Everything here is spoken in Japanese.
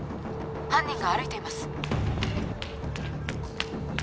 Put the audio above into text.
犯人が歩いています